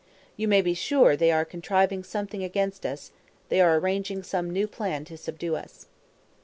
You may be sure they are contriving something against us; they are arranging some new plan to subdue us.